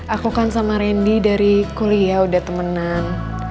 aku kan sama randy dari kuliah udah temenan